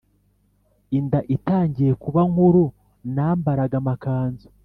Inda itangiye kuba nkuru nambaraga amakanzu